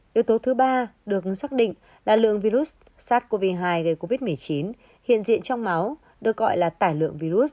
yếu tố thứ ba được xác định là lượng virus sars cov hai gây covid một mươi chín hiện diện trong máu được gọi là tải lượng virus